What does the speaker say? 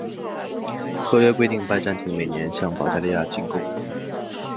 合约规定拜占庭每年向保加利亚进贡。